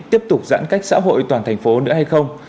tiếp tục giãn cách xã hội toàn thành phố nữa hay không